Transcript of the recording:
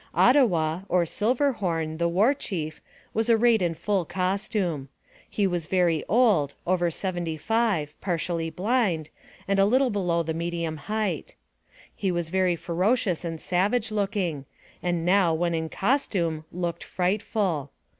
Ottawa, or Silver Horn, the war chief, was arrayed in full costume. He was very old, over seventy five, partially blind, and a little below the medium height. He was very ferocious and savage looking, and now, when in costume, looked frightful.